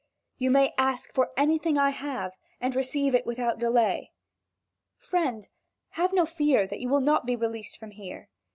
You may ask for anything I have, and receive it without delay." "Friend, have no fear that you will not be released from here.